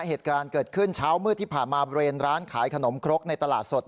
เหตุการณ์เกิดขึ้นเช้ามืดที่ผ่านมาบริเวณร้านขายขนมครกในตลาดสด